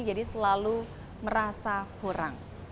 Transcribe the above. jadi selalu merasa kurang